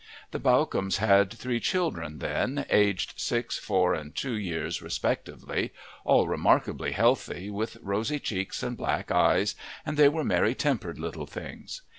The Bawcombes had three children then, aged six, four, and two years respectively, all remarkably healthy, with rosy cheeks and black eyes, and they were merry tempered little things.